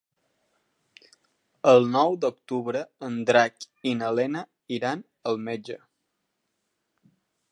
El nou d'octubre en Drac i na Lena iran al metge.